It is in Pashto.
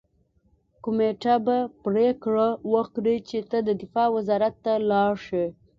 کمېټه به پریکړه وکړي چې ته دفاع وزارت ته لاړ شې